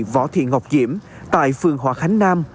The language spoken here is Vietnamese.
võ thị ngọc diễm tại phường hòa khánh nam